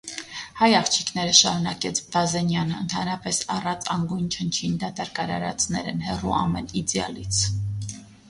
- Հայ աղջիկները,- շարունակեց Բազենյանը,- ընդհանրապես առած, անգույն, չնչին, դատարկ արարածներ են, հեռու ամեն իդեալից: